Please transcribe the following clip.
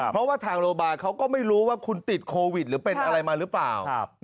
เพราะว่าทางโรงพยาบาลเขาก็ไม่รู้ว่าคุณติดโควิดหรือเป็นอะไรมาหรือเปล่า